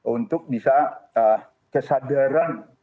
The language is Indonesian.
untuk bisa kesadaran